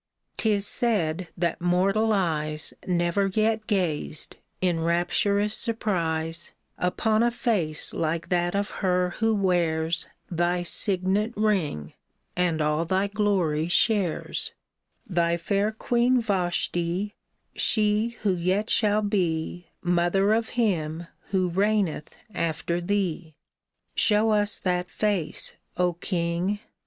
'Tis said that mortal eyes Never yet gazed, in rapturous surprise, Upon a face like that of her who wears Thy signet ring, and all thy glory shares, — Thy fair Queen Vashti, she who yet shall be Mother of him who reigneth after thee ! Show us that face, O king